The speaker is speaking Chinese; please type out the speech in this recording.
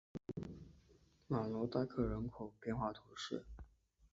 朗罗代克人口变化图示